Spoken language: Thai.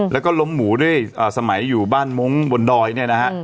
แล้วก็ล้มหมูด้วยสมัยอยู่บ้านมงค์บนดอยเนี่ยนะฮะ